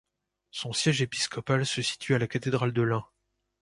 Son siège épiscopal se situe à la Cathédrale de Lund.